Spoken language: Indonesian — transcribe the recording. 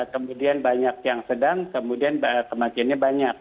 kemudian banyak yang sedang kemudian kematiannya banyak